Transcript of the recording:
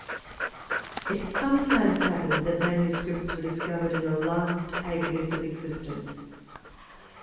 It sometimes happened that manuscripts were discovered in the last agonies of existence.